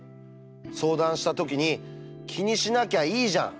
相談したときに『気にしなきゃいいじゃん』。